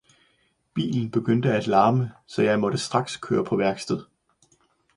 Bilen begyndte at larme, så jeg måtte straks køre på værksted.